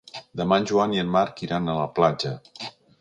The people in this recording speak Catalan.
Demà en Joan i en Marc iran a la platja.